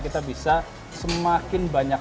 kita bisa semakin banyak